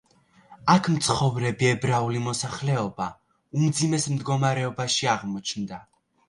აქ მცხოვრები ებრაული მოსახლეობა უმძიმეს მდგომარეობაში აღმოჩნდა.